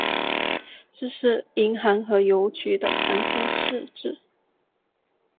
这是银行和邮局的常见设置。